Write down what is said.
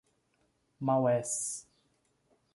Maués